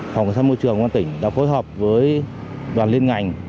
phòng cảnh sát môi trường của ubnd tỉnh đã phối hợp với đoàn liên ngành